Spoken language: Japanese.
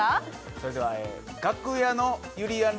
それでは楽屋のゆりやん